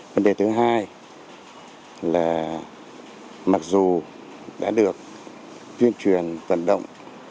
vấn đề thứ hai là mặc dù đã được tuyên truyền vận động